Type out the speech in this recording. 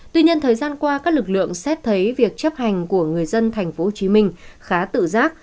tuy nhiên thời gian qua các lực lượng xét thấy việc chấp hành của người dân tp hcm khá tự giác